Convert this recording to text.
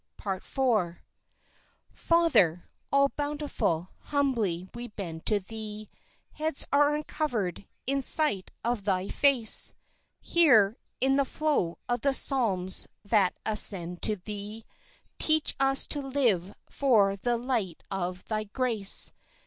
Part IV Basses and Chorus Father, All Bountiful, humbly we bend to Thee; Heads are uncovered in sight of Thy face. Here, in the flow of the psalms that ascend to Thee, Teach us to live for the light of Thy grace.